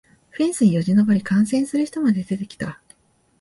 フェンスによじ登り観戦する人まで出てきた